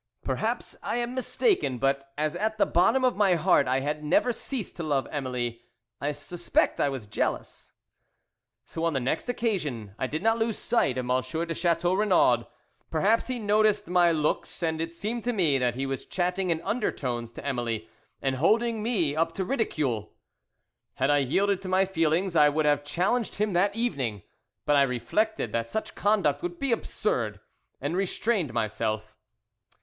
Perhaps I am mistaken, but, as at the bottom of my heart I had never ceased to love Emily, I suspect I was jealous. "So on the next occasion I did not lose sight of M. de Chateau Renaud. Perhaps he noticed my looks and it seemed to me that he was chatting in undertones to Emily and holding me up to ridicule. "Had I yielded to my feelings I would have challenged him that evening, but I reflected that such conduct would be absurd, and restrained myself.